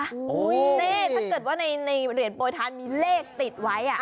นี่ถ้าเกิดว่าในเหรียญโปรยทานมีเลขติดไว้